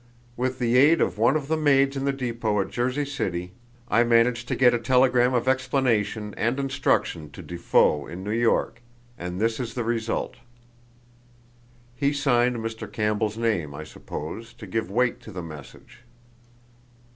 "With the aid of one of the maids in the depot at Jersey City I managed to get a telegram of explanation and instruction to De Foe in New York, and this is the result. He signed Mr. Campbell's name, I suppose, to give weight to the message."